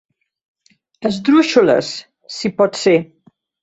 Esdrúixoles, si pot ser.